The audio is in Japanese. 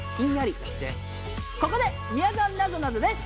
ここでみやぞんなぞなぞです！